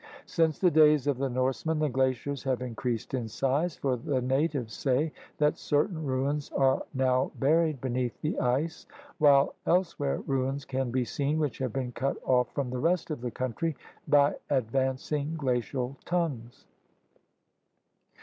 Since the days of the Norsemen the glaciers have increased in size, for the natives say that certain ruins are now buried beneath the ice, while elsewhere ruins can be seen which have been cut off from the rest of the coun try by advancing glacial tongues.